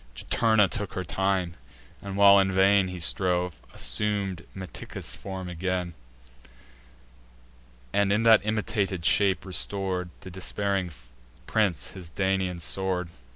Juturna took her time; and, while in vain He strove, assum'd Meticus' form again, And, in that imitated shape, restor'd To the despairing prince his Daunian sword.